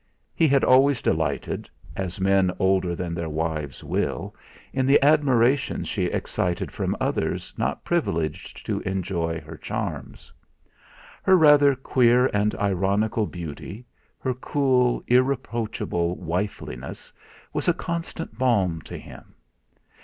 He had always delighted as men older than their wives will in the admiration she excited from others not privileged to enjoy her charms. Her rather queer and ironical beauty, her cool irreproachable wifeliness, was a constant balm to him.